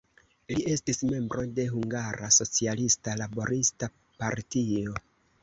Li estis membro de Hungara Socialista Laborista Partio.